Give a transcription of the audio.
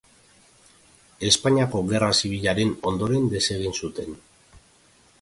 Espainiako Gerra Zibilaren ondoren desegin zuten.